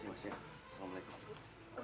terima kasih mas ya assalamualaikum